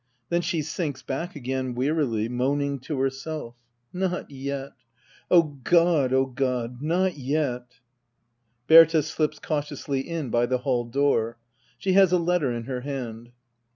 Then she sinks back again wearily, 7noaningto herself 1^ Not yet I — Oh God— oh God — not yet ! Berta slips cautiously in by the hall door. She has a letter in her hand.